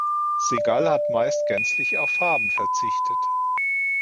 Segal hat meist gänzlich auf Farben verzichtet.